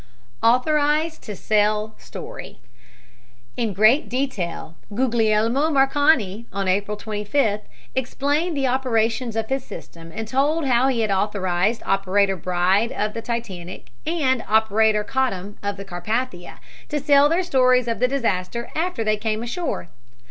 AUTHORIZED TO SELL STORY In great detail Guglielmo Marconi, on April 25th, explained the operations of his system and told how he had authorized Operator Bride of the Titanic, and Operator Cottam, of the Carpathia, to sell their stories of the disaster after they came ashore.